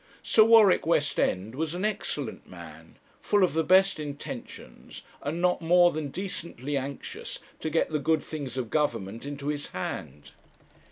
Sir Warwick Westend was an excellent man, full of the best intentions, and not more than decently anxious to get the good things of Government into his hand.